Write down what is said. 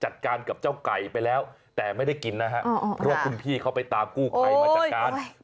เดี๋ยวนะทำไมสีขนาดนั้น